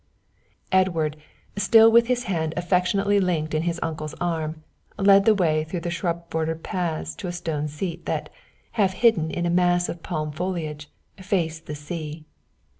Edward, still with his hand affectionately linked in his uncle's arm, led the way through shrub bordered paths to a stone seat that, half hidden in a mass of palm foliage, faced the sea.